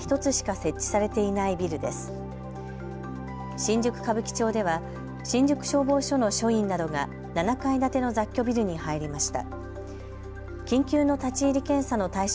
新宿歌舞伎町では新宿消防署の署員などが７階建ての雑居ビルに入りました。